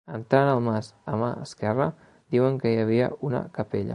Entrant al mas a mà esquerra diuen que hi havia una capella.